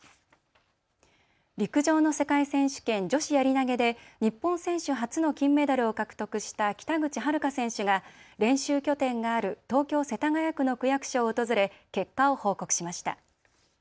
陸上の世界選手権女子やり投げで日本選手初の金メダルを獲得した北口榛花選手が練習拠点がある東京世田谷区の区役所を訪れ結果を報告しました。